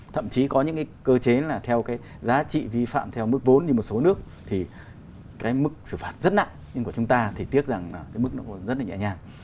thậm chí có những cơ chế theo giá trị vi phạm theo mức vốn như một số nước thì mức xử phạt rất nặng nhưng của chúng ta thì tiếc rằng mức nó cũng rất nhẹ nhàng